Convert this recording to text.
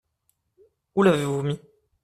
Où l’avez-vous mis ?